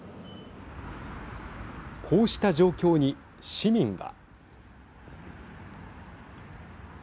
こうした状況に市民は。